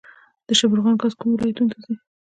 د شبرغان ګاز کومو ولایتونو ته ځي؟